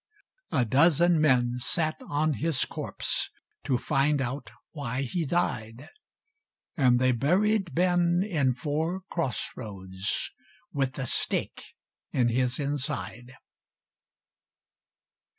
A dozen men sat on his corpse, To find out why he died And they buried Ben in four cross roads, With a stake in his inside!